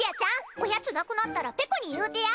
おやつなくなったらぺこに言うてや！